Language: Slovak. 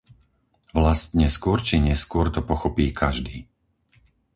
Vlastne, skôr či neskôr to pochopí každý!